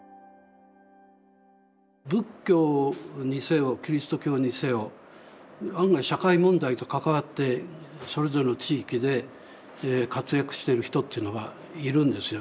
仏教にせよキリスト教にせよ案外社会問題と関わってそれぞれの地域で活躍してる人っていうのがいるんですよね